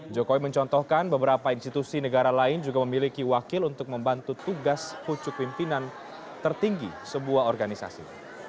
jokowi mencontohkan beberapa institusi negara lain juga memiliki wakil untuk membantu tugas pucuk pimpinan tertinggi sebuah organisasi